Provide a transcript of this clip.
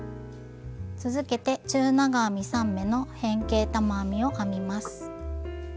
続けて中長編み３目の変形玉編みを編みます。